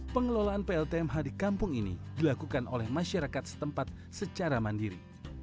pengelolaan pltmh di kampung ini dilakukan oleh masyarakat setempat secara mandiri